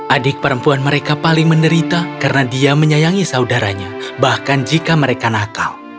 adik perempuan mereka paling menderita karena dia menyayangi saudaranya bahkan jika mereka nakal